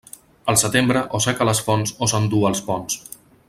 El setembre, o seca les fonts o s'enduu els ponts.